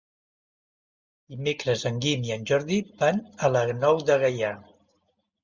Dimecres en Guim i en Jordi van a la Nou de Gaià.